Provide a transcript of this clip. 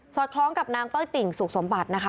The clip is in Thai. คล้องกับนางต้อยติ่งสุขสมบัตินะคะ